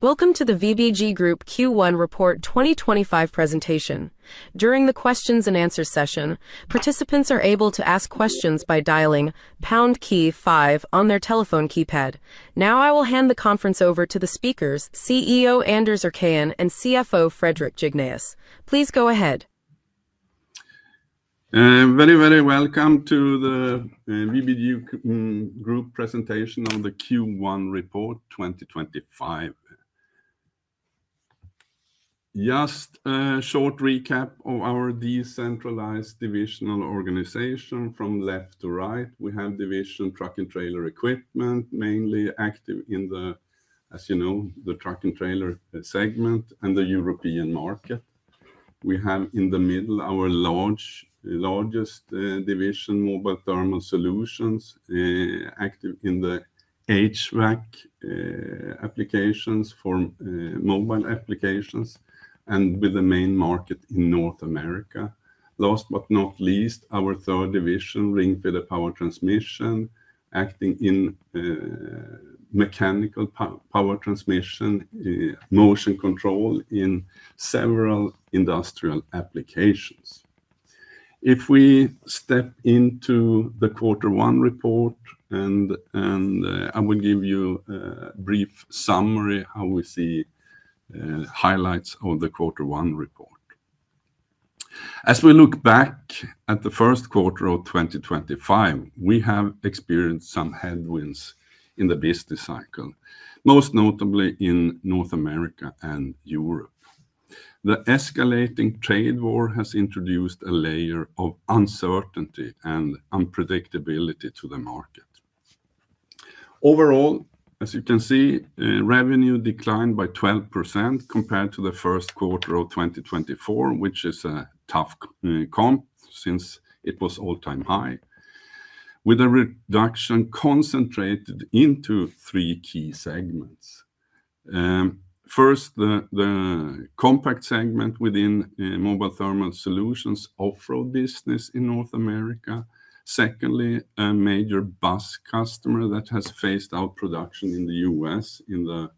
Welcome to the VBG Group Q1 Report 2025 presentation. During the Q&A session, participants are able to ask questions by dialing pound key five on their telephone keypad. Now, I will hand the conference over to the speakers, CEO Anders Erkén and CFO Fredrik Jignéus. Please go ahead. Very, very welcome to the VBG Group presentation on the Q1 Report 2025. Just a short recap of our decentralized divisional organization from left to right. We have division Truck and Trailer Equipment, mainly active in the, as you know, the truck and trailer segment in the European market. We have in the middle our largest division, Mobile Thermal Solutions, active in the HVAC applications, for mobile applications, and with the main market in North America. Last but not least, our third division, Ringfeder Power Transmission, acting in mechanical power transmission, motion control in several industrial applications. If we step into the Q1 Report, and I will give you a brief summary of how we see highlights of the Q1 Report. As we look back at the Q1 of 2025, we have experienced some headwinds in the business cycle, most notably in North America and Europe. The escalating trade war has introduced a layer of uncertainty and unpredictability to the market. Overall, as you can see, revenue declined by 12% compared to the Q1 of 2024, which is a tough comp since it was all-time high, with a reduction concentrated into three key segments. First, the compact segment within Mobile Thermal Solutions' off-road business in North America. Secondly, a major bus customer that has phased out production in the US in the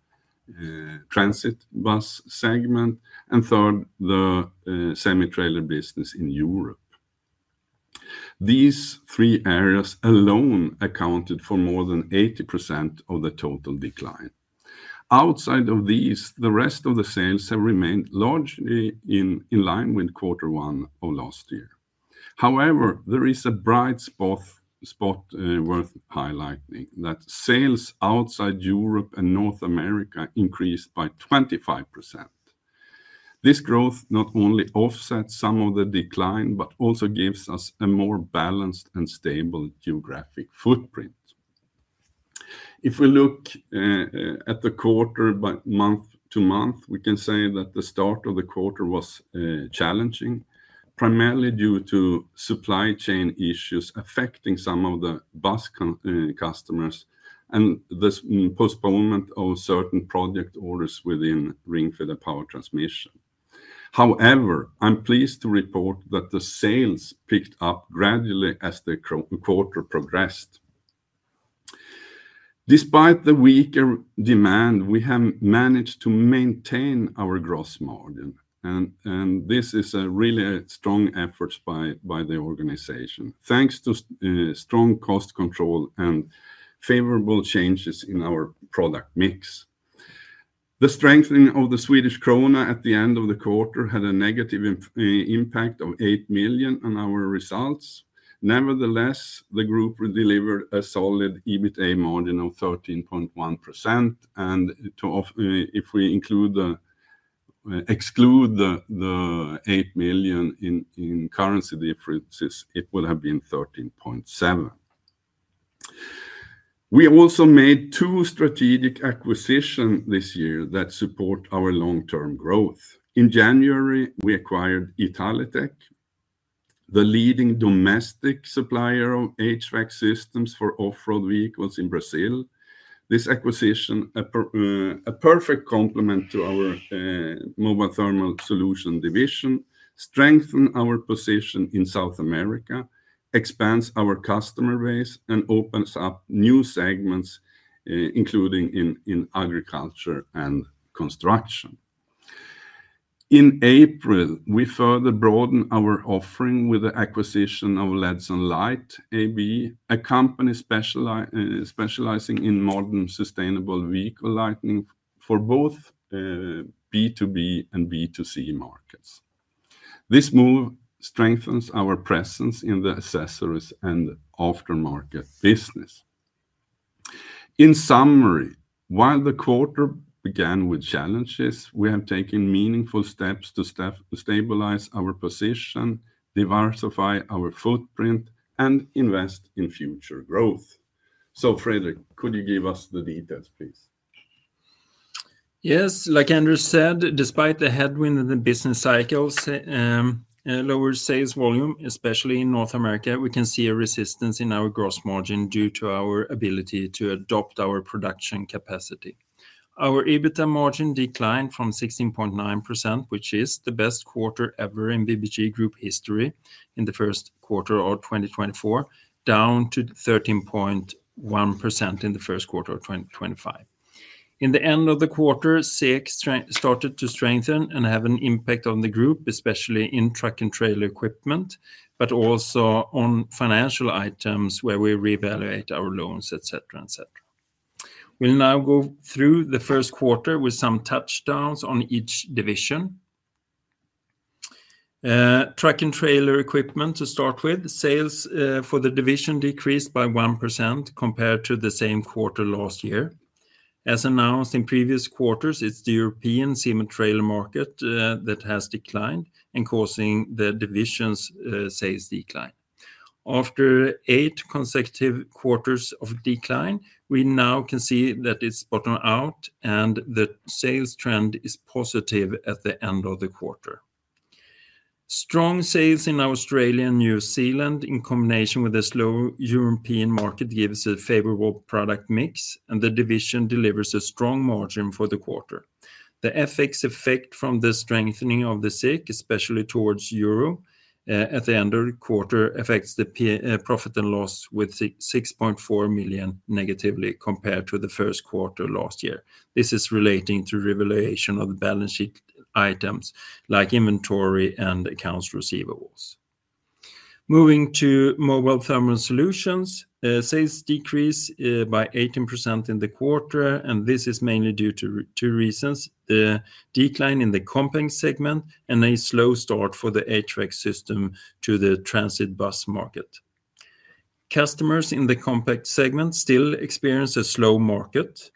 transit bus segment. Third, the semi-trailer business in Europe. These three areas alone accounted for more than 80% of the total decline. Outside of these, the rest of the sales have remained largely in line with Q1 of last year. However, there is a bright spot worth highlighting: that sales outside Europe and North America increased by 25%. This growth not only offsets some of the decline but also gives us a more balanced and stable geographic footprint. If we look at the quarter by month-to-month, we can say that the start of the quarter was challenging, primarily due to supply chain issues affecting some of the bus customers and the postponement of certain project orders within Ringfeder Power Transmission. However, I'm pleased to report that the sales picked up gradually as the quarter progressed. Despite the weaker demand, we have managed to maintain our gross margin, and this is really a strong effort by the organization, thanks to strong cost control and favorable changes in our product mix. The strengthening of the Swedish krona at the end of the quarter had a negative impact of 8 million on our results. Nevertheless, the group delivered a solid EBITDA margin of 13.1%, and if we exclude the 8 million in currency differences, it would have been 13.7%. We also made two strategic acquisitions this year that support our long-term growth. In January, we acquired Italytec, the leading domestic supplier of HVAC systems for off-road vehicles in Brazil. This acquisition, a perfect complement to our Mobile Thermal Solutions division, strengthens our position in South America, expands our customer base, and opens up new segments, including in agriculture and construction. In April, we further broadened our offering with the acquisition of Ledson Lights AB, a company specializing in modern sustainable vehicle lighting for both B2B and B2C markets. This move strengthens our presence in the accessories and aftermarket business. In summary, while the quarter began with challenges, we have taken meaningful steps to stabilize our position, diversify our footprint, and invest in future growth. Fredrik, could you give us the details, please? Yes. Like Anders said, despite the headwind in the business cycles, lower sales volume, especially in North America, we can see a resistance in our gross margin due to our ability to adopt our production capacity. Our EBITDA margin declined from 16.9%, which is the best quarter ever in VBG Group history in the Q1 of 2024, down to 13.1% in the Q1 of 2025. In the end of the quarter, sales started to strengthen and have an impact on the group, especially in truck and trailer equipment, but also on financial items where we reevaluate our loans, et cetera, et cetera. We'll now go through the Q1 with some touchdowns on each division. Truck and Trailer Equipments, to start with, sales for the division decreased by 1% compared to the same quarter last year. As announced in previous quarters, it's the European semi- trailer market that has declined and causing the division's sales decline. After eight consecutive quarters of decline, we now can see that it's bottomed out, and the sales trend is positive at the end of the quarter. Strong sales in Australia and New Zealand, in combination with a slow European market, give us a favorable product mix, and the division delivers a strong margin for the quarter. The FX effect from the strengthening of the SEK, especially towards euro at the end of the quarter, affects the profit and loss with 6.4 million negatively compared to the Q1 last year. This is relating to revaluation of the balance sheet items like inventory and accounts receivables. Moving to Mobile Thermal Solutions, sales decreased by 18% in the quarter, and this is mainly due to two reasons: the decline in the compact segment and a slow start for the HVAC system to the transit bus market. Customers in the compact segment still experience a slow market,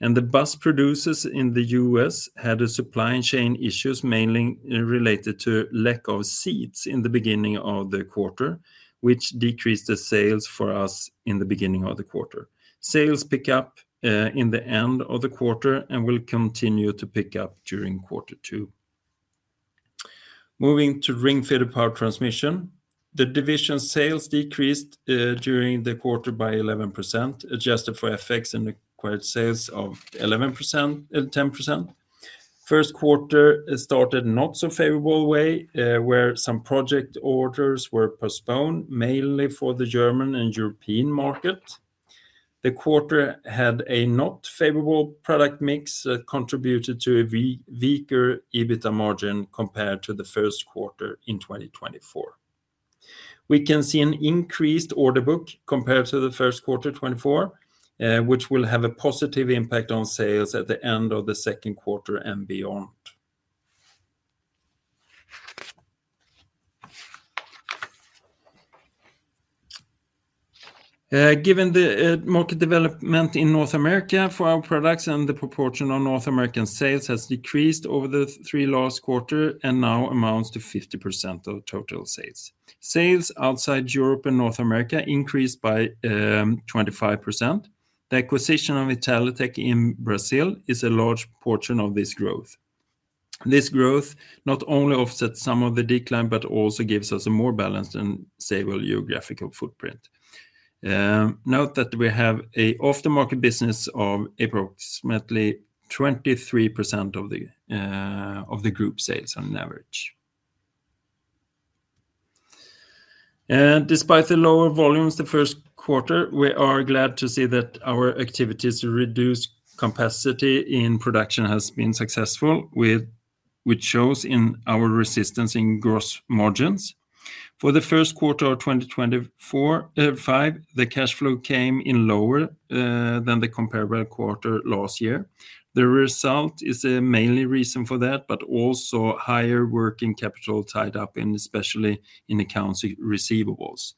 and the bus producers in the US had supply chain issues mainly related to lack of seats in the beginning of the quarter, which decreased the sales for us in the beginning of the quarter. Sales pick up in the end of the quarter and will continue to pick up during Q2. Moving to Ringfeder Power Transmission, the division's sales decreased during the quarter by 11%, adjusted for FX and acquired sales of 11% and 10%. Q1 started not so favorable way, where some project orders were postponed, mainly for the German and European market. The quarter had a not favorable product mix that contributed to a weaker EBITDA margin compared to the Q1 in 2024. We can see an increased order book compared to the Q1 2024, which will have a positive impact on sales at the end of the Q2 and beyond. Given the market development in North America for our products and the proportion of North American sales has decreased over the three last quarters and now amounts to 50% of total sales. Sales outside Europe and North America increased by 25%. The acquisition of Italytec in Brazil is a large portion of this growth. This growth not only offsets some of the decline but also gives us a more balanced and stable geographical footprint. Note that we have an off-market business of approximately 23% of the group sales on average. Despite the lower volumes the Q1, we are glad to see that our activities to reduce capacity in production have been successful, which shows in our resistance in gross margins. For the Q1 of 2025, the cash flow came in lower than the comparable quarter last year. The result is mainly the reason for that, but also higher working capital tied up, especially in accounts receivables,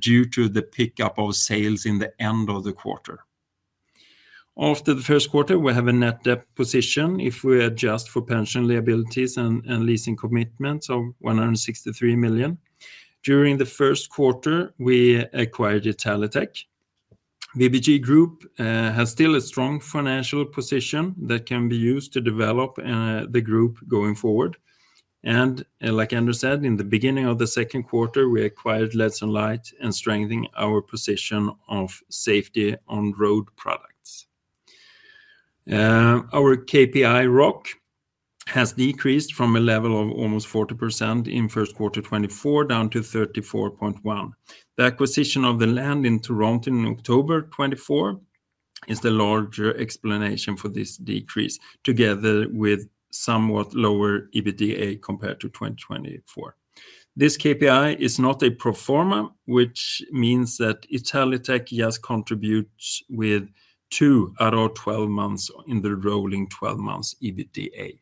due to the pickup of sales in the end of the quarter. After the Q1, we have a net debt position if we adjust for pension liabilities and leasing commitments of 163 million. During the Q1, we acquired Italytec. VBG Group has still a strong financial position that can be used to develop the group going forward. Like Anders said, in the beginning of the Q2, we acquired Ledson Lights and strengthened our position of safety on road products. Our KPI ROCE has decreased from a level of almost 40% in Q1 2024 down to 34.1%. The acquisition of the land in Toronto in October 2024 is the larger explanation for this decrease, together with somewhat lower EBITDA compared to 2024. This KPI is not a pro forma, which means that Italytec has contributed with two out of 12 months in the rolling 12-month EBITDA.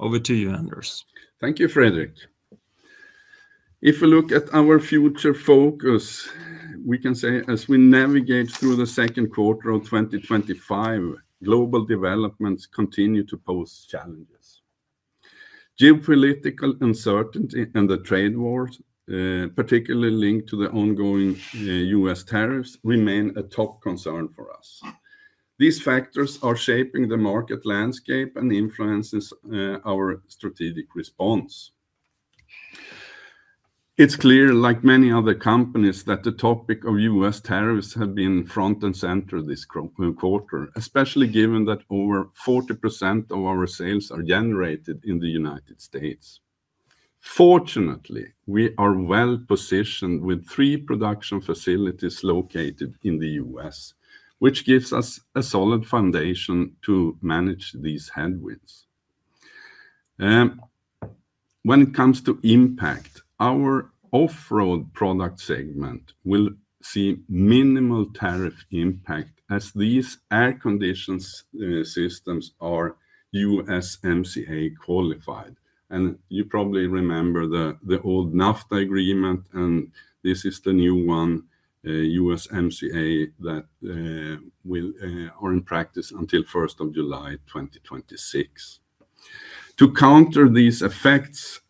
Over to you, Anders. Thank you, Fredrik. If we look at our future focus, we can say as we navigate through the Q2 of 2025, global developments continue to pose challenges. Geopolitical uncertainty and the trade wars, particularly linked to the ongoing US tariffs, remain a top concern for us. These factors are shaping the market landscape and influence our strategic response. It's clear, like many other companies, that the topic of US tariffs has been front and center this quarter, especially given that over 40% of our sales are generated in the United States. Fortunately, we are well positioned with three production facilities located in the US, which gives us a solid foundation to manage these headwinds. When it comes to impact, our off-road product segment will see minimal tariff impact as these air conditioning systems are USMCA qualified. You probably remember the old NAFTA agreement, and this is the new one, USMCA, that will be in practice until 1 July 2026. To counter these effects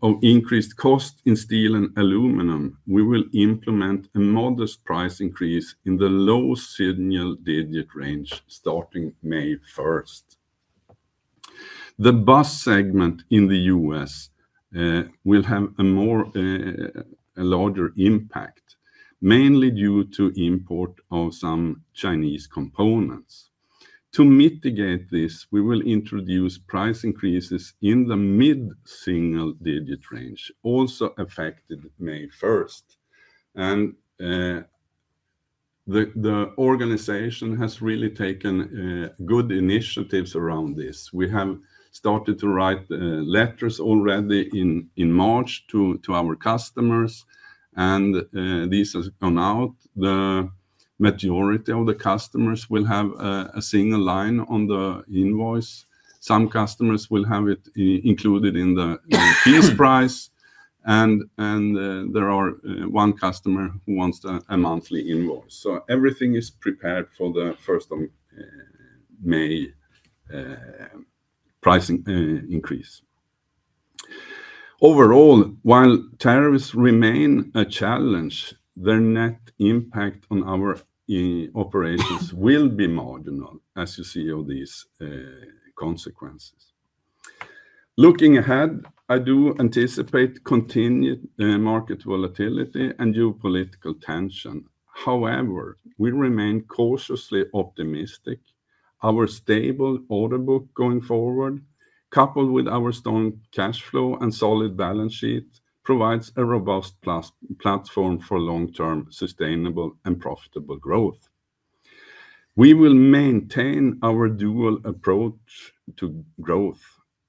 of increased cost in steel and aluminum, we will implement a modest price increase in the low single-digit range starting 1 May 2025. The bus segment in the US will have a larger impact, mainly due to the import of some Chinese components. To mitigate this, we will introduce price increases in the mid-single-digit range, also effective 1 May 2025. The organization has really taken good initiatives around this. We have started to write letters already in March to our customers, and these have gone out. The majority of the customers will have a single line on the invoice. Some customers will have it included in the fees price, and there is one customer who wants a monthly invoice. Everything is prepared for the 1 May pricing increase. Overall, while tariffs remain a challenge, their net impact on our operations will be marginal, as you see all these consequences. Looking ahead, I do anticipate continued market volatility and geopolitical tension. However, we remain cautiously optimistic. Our stable order book going forward, coupled with our strong cash flow and solid balance sheet, provides a robust platform for long-term sustainable and profitable growth. We will maintain our dual approach to growth.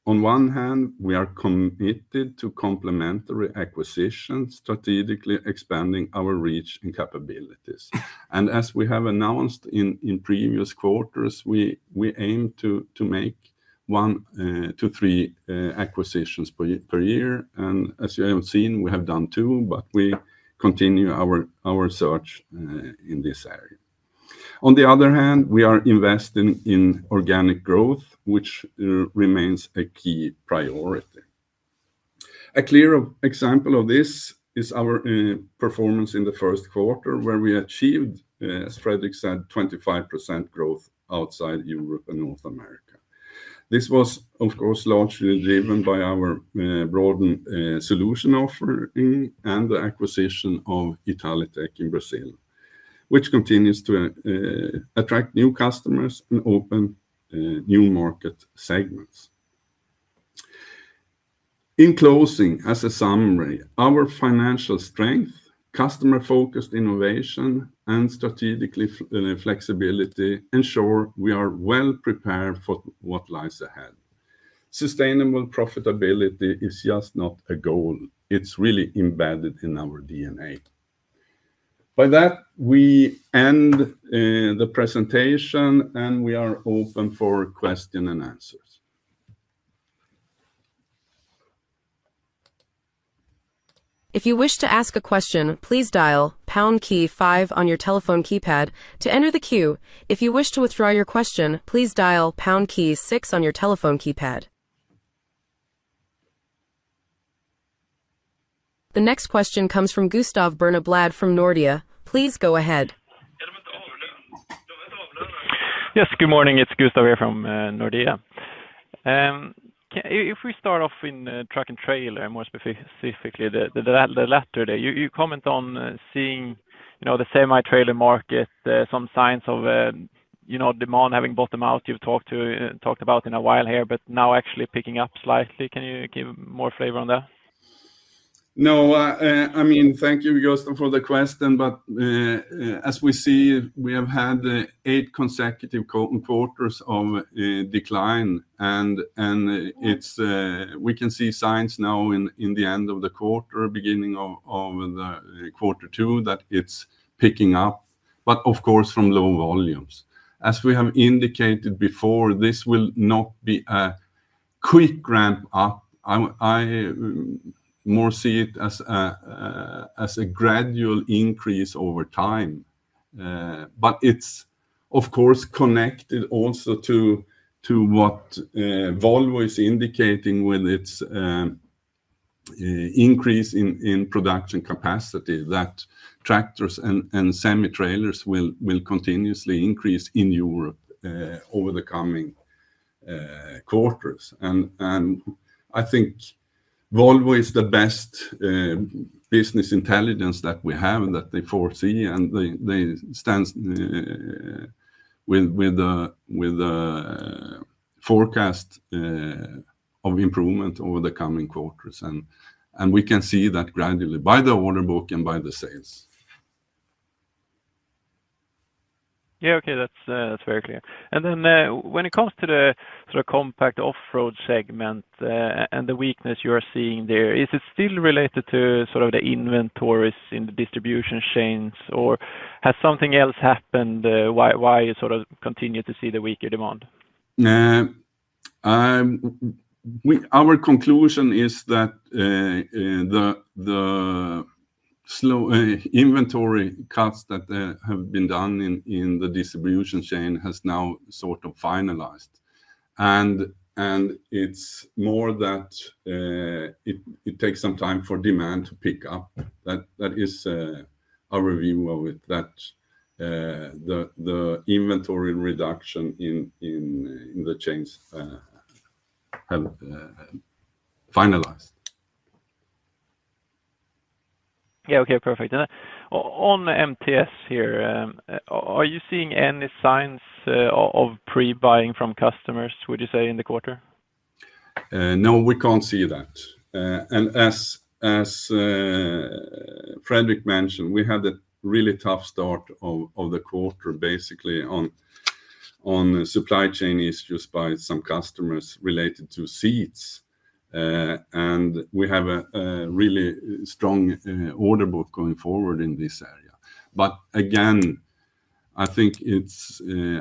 On one hand, we are committed to complementary acquisitions, strategically expanding our reach and capabilities. As we have announced in previous quarters, we aim to make one to three acquisitions per year. As you have seen, we have done two, but we continue our search in this area. On the other hand, we are investing in organic growth, which remains a key priority. A clear example of this is our performance in the Q1, where we achieved, as Fredrik said, 25% growth outside Europe and North America. This was, of course, largely driven by our broadened solution offering and the acquisition of Italytec in Brazil, which continues to attract new customers and open new market segments. In closing, as a summary, our financial strength, customer-focused innovation, and strategic flexibility ensure we are well-prepared for what lies ahead. Sustainable profitability is just not a goal. It's really embedded in our DNA. By that, we end the presentation, and we are open for questions and answers. If you wish to ask a question, please dial pound key five on your telephone keypad to enter the queue. If you wish to withdraw your question, please dial pound key six on your telephone keypad. The next question comes from Gustav Berneblad from Nordea. Please go ahead. Yes, good morning. It's Gustav here from Nordea. If we start off in truck and trailer, more specifically the latter there, you comment on seeing the semi-trailer market, some signs of demand having bottomed out. You've talked about it in a while here, but now actually picking up slightly. Can you give more flavor on that? No, I mean, thank you, Gustav, for the question. As we see, we have had eight consecutive quarters of decline, and we can see signs now in the end of the quarter, beginning of Q2, that it is picking up, but of course, from low volumes. As we have indicated before, this will not be a quick ramp-up. I more see it as a gradual increase over time. It is, of course, connected also to what Volvo is indicating with its increase in production capacity, that tractors and semi-trailers will continuously increase in Europe over the coming quarters. I think Volvo is the best business intelligence that we have and that they foresee, and they stand with the forecast of improvement over the coming quarters. We can see that gradually by the order book and by the sales. Yeah, okay, that's very clear. When it comes to the compact off-road segment and the weakness you are seeing there, is it still related to the inventories in the distribution chains, or has something else happened? Why you, sort-of, continue to see the weaker demand? Our conclusion is that the slow inventory cuts that have been done in the distribution chain have now sort of finalized. It is more that it takes some time for demand to pick up. That is our view of it, that the inventory reduction in the chains has finalized. Yeah, okay, perfect. On MTS here, are you seeing any signs of pre-buying from customers, would you say, in the quarter? No, we can't see that. As Fredrik mentioned, we had a really tough start of the quarter, basically on supply chain issues by some customers related to seats. We have a really strong order book going forward in this area. I think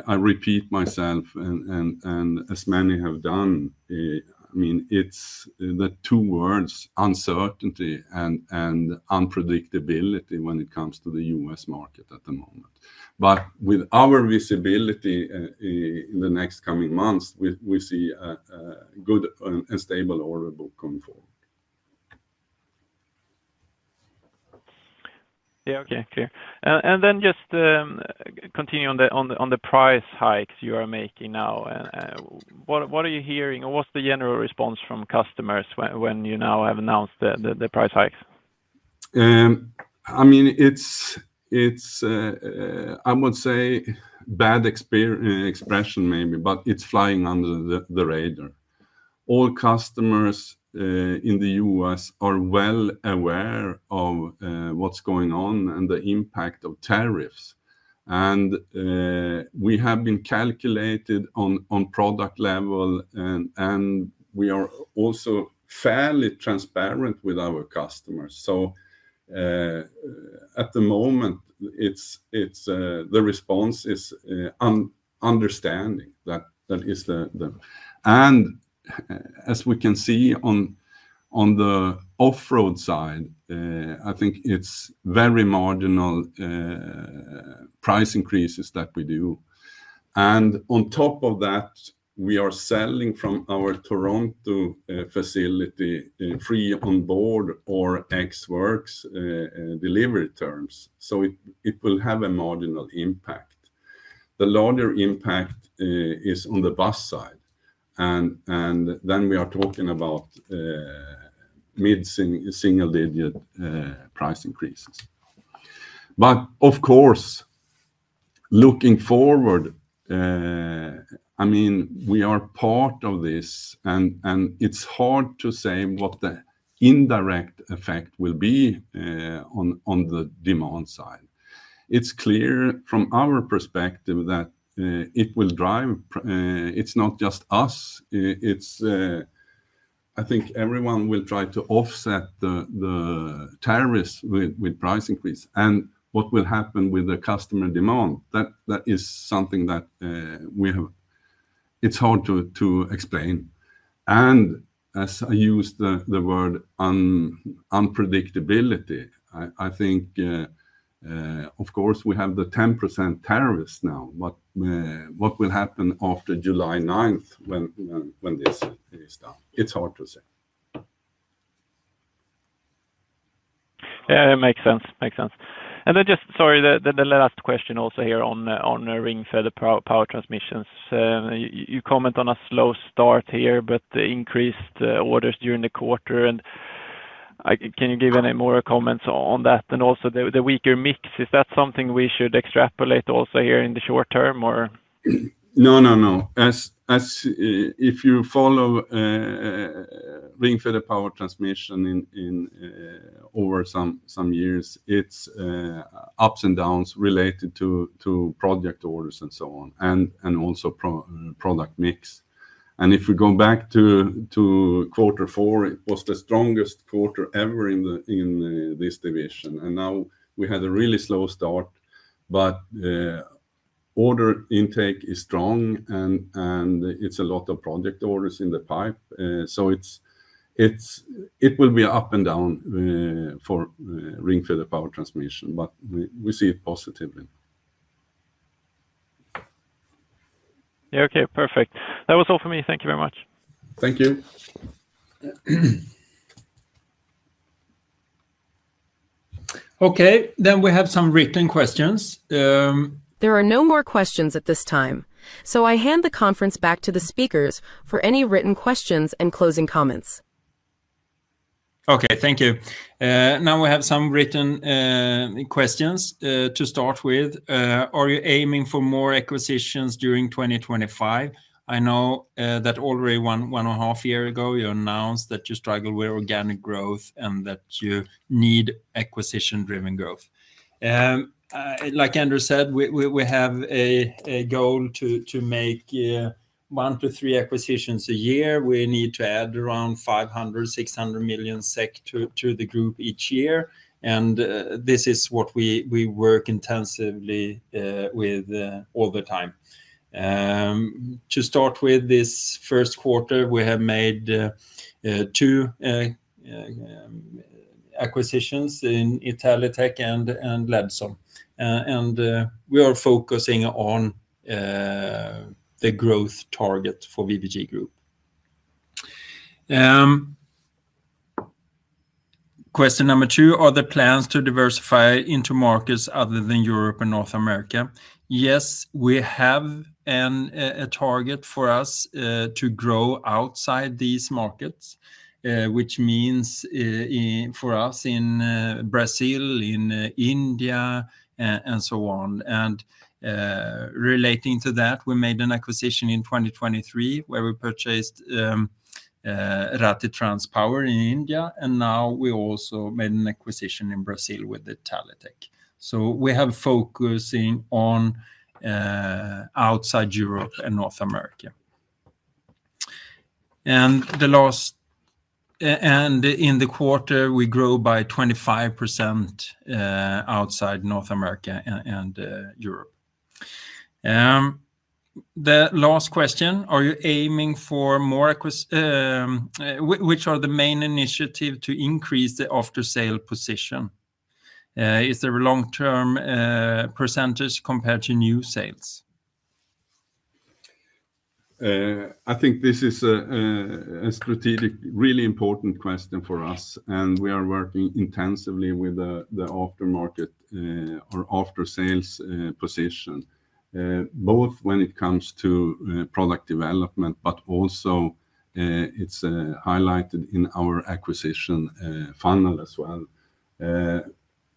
I repeat myself, and as many have done, I mean, it's the two words: uncertainty and unpredictability when it comes to the US market at the moment. With our visibility in the next coming months, we see a good and stable order book going forward. Okay. Just continuing on the price hikes you are making now, what are you hearing, or what's the general response from customers when you now have announced the price hikes? I mean, it's, I would say, a bad expression maybe, but it's flying under the radar. All customers in the US are well aware of what's going on and the impact of tariffs. We have been calculated on product level, and we are also fairly transparent with our customers. At the moment, the response is understanding that is the... As we can see on the off-road side, I think it's very marginal price increases that we do. On top of that, we are selling from our Toronto facility free onboard or ex-works delivery terms. It will have a marginal impact. The larger impact is on the bus side. We are talking about mid-single digit price increases. Of course, looking forward, I mean, we are part of this, and it's hard to say what the indirect effect will be on the demand side. It's clear from our perspective that it will drive... It's not just us. I think everyone will try to offset the tariffs with price increase. What will happen with the customer demand, that is something that we have... It's hard to explain. As I use the word unpredictability, I think, of course, we have the 10% tariffs now. What will happen after 9 July when this is done? It's hard to say. Yeah, it makes sense. Makes sense. Sorry, the last question also here on Ringfeder Power Transmission. You comment on a slow start here, but increased orders during the quarter. Can you give any more comments on that? Also, the weaker mix, is that something we should extrapolate also here in the short term, or? No, no, no. If you follow Ringfeder Power Transmission over some years, it's ups and downs related to project orders and so on, and also product mix. If we go back to Q4, it was the strongest quarter ever in this division. Now we had a really slow start, but order intake is strong, and it's a lot of project orders in the pipe. It will be up and down for Ringfeder Power Transmission, but we see it positively. Yeah, okay, perfect. That was all for me. Thank you very much. Thank you. Okay, then we have some written questions. There are no more questions at this time. I hand the conference back to the speakers for any written questions and closing comments. Okay, thank you. Now we have some written questions to start with. Are you aiming for more acquisitions during 2025? I know that already one and a half years ago, you announced that you struggle with organic growth and that you need acquisition-driven growth. Like Anders said, we have a goal to make one to three acquisitions a year. We need to add around 500 million to 600 million to the group each year. This is what we work intensively with all the time. To start with, this Q1, we have made two acquisitions in Italytec and Ledson. We are focusing on the growth target for VBG Group. Question number two, are there plans to diversify into markets other than Europe and North America? Yes, we have a target for us to grow outside these markets, which means for us in Brazil, in India, and so on. Relating to that, we made an acquisition in 2023 where we purchased Rathi Transpower in India. Now we also made an acquisition in Brazil with Italytec. We have focusing on outside Europe and North America. In the quarter, we grew by 25% outside North America and Europe. The last question, are you aiming for more... Which are the main initiatives to increase the after-sale position? Is there a long-term percentage compared to new sales? I think this is a strategic, really important question for us. We are working intensively with the aftermarket or after-sales position, both when it comes to product development, but also it is highlighted in our acquisition funnel as well.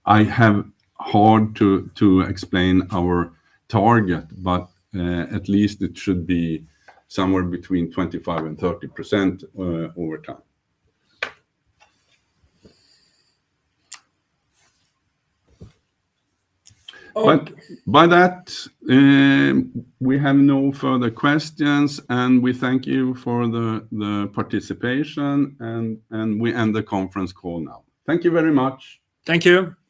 I have hard to explain our target, but at least it should be somewhere between 25% and 30% over time. By that, we have no further questions. We thank you for the participation. We end the conference call now. Thank you very much. Thank you.